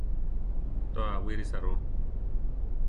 To, awírisa ru.